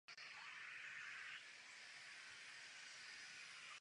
Vítejte, naši hosté.